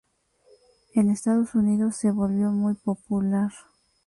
En Estados Unidos se volvió muy popular.